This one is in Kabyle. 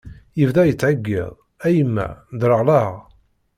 Yebda yettɛeyyiḍ: a yemma ddreɣleɣ!